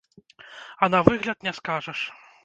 А на выгляд не скажаш.